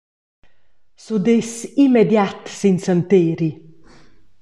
S’udess immediat sin santeri.